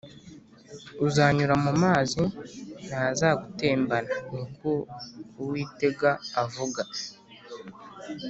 uzanyura mu amazi ntazagutembana niko uwitega avuga